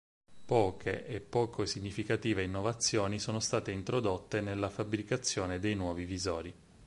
Poche e poco significative innovazioni sono state introdotte nella fabbricazione dei nuovi visori.